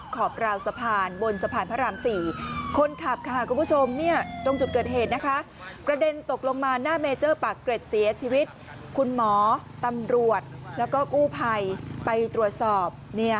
คุณหมอตำรวจแล้วก็กู้ภัยไปตรวจสอบ